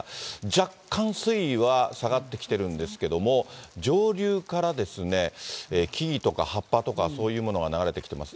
若干水位は下がってきてるんですけれども、上流から木々とか葉っぱとかそういうものが流れてきてます。